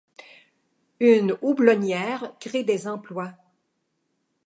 Une houblonnière crée des emplois.